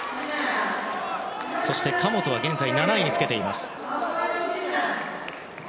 そして、神本は現在７位につけています。